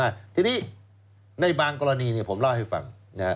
ทีนี้ในบางกรณีผมเล่าให้ฟัง